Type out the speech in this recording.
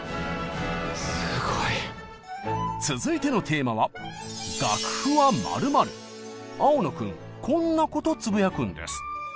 すごい。続いてのテーマは青野君こんなことつぶやくんです。